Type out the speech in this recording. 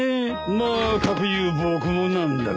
まあかく言う僕もなんだがね。